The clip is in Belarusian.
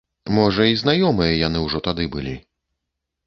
Можа, і знаёмыя яны ўжо тады былі.